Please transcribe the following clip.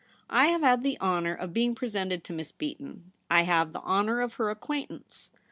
' I have had the honour of being presented to Miss Beaton; I have the honour of her acquaintance.